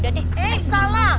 eh eh salah